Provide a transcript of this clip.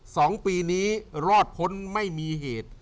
สองปีนี้รอดพ้นไม่มีเหตุ